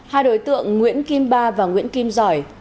hai đối tượng nguyễn kim ba và nguyễn kim giỏi